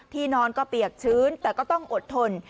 นอนก็เปียกชื้นแต่ก็ต้องอดทน